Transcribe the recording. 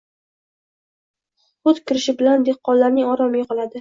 Hut kirishi bilan dehqonlarning oromi yoʻqoladi.